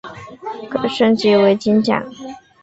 可升级为金将。